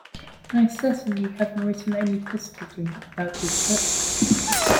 And I certainly haven't written only positively about his books.